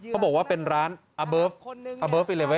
เขาบอกว่าเป็นร้านอ่าเบิฟ๑๑